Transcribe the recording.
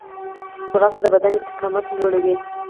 منډه د بدن استقامت لوړوي